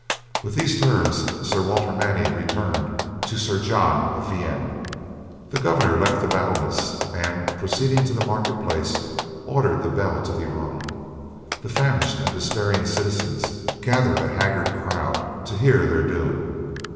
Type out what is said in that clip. With these terms Sir Walter Manny returned to Sir John of Vienne. The governor left the battlements, and proceeding to the market place ordered the bell to be rung. The famished and despairing citizens gathered a haggard crowd to hear their doom.